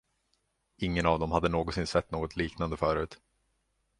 Ingen av dem hade någonsin sett något liknande förut.